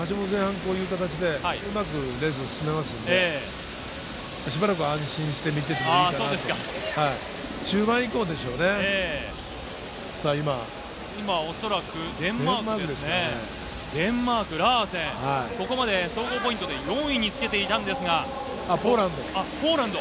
こういう形でうまくレース進めていますんで、しばらく安心して見ていていいかなと。